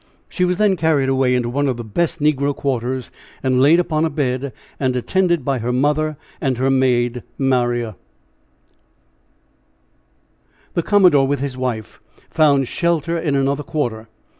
She was then carried away into one of the best negro quarters and laid upon a bed, and attended by her mother and her maid Maria. The commodore, with his wife, found shelter in another quarter.